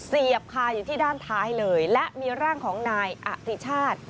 เสียบคาอยู่ที่ด้านท้ายเลยและมีร่างของนายอติชาติ